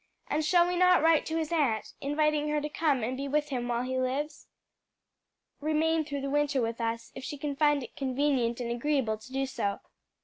And shall we not write to his aunt, inviting her to come and be with him while he lives? remain through the winter with us, if she can find it convenient and agreeable to do so?"